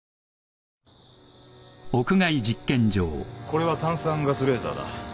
これは炭酸ガスレーザーだ。